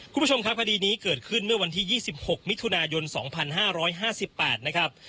คุณผู้ชมครับคดีนี้เกิดขึ้นเมื่อวันที่๒๖มิถุนายน๒๕๕๘นะครับ